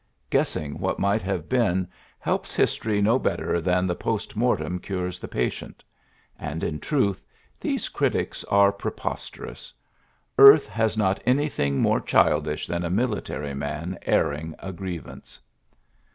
Guessing what might have been helps history no better than the post mortem cures the patient. And, in truth, these critics are preposterous. Earth has not anything more childish than a military man airing a grievance.